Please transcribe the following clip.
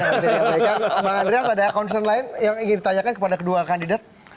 bang andreas ada concern lain yang ingin ditanyakan kepada kedua kandidat